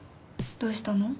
どうしたの？